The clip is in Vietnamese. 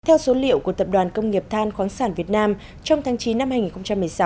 theo số liệu của tập đoàn công nghiệp than khoáng sản việt nam trong tháng chín năm hai nghìn một mươi sáu